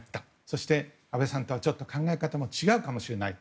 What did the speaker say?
そして安倍さんとちょっと考え方も違うかもしれない。